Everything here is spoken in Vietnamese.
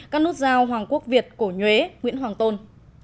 các nút giao hoàng quốc việt cổ nhuế nguyễn hoàng tôn